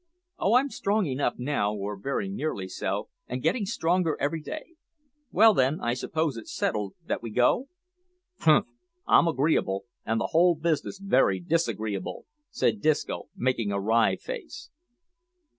"Oh, I'm strong enough now, or very nearly so, and getting stronger every day. Well, then, I suppose it's settled that we go?" "Humph! I'm agreeable, an' the whole business werry disagreeable," said Disco, making a wry face.